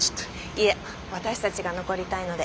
いえ私たちが残りたいので。